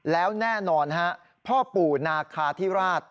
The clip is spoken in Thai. แล้วแน่นอนฮะพ่อปู่นาคาธิราช